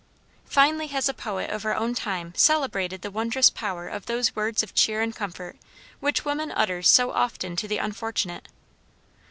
Finely has a poet of our own time celebrated the wondrous power of those words of cheer and comfort which woman utters so often to the unfortunate.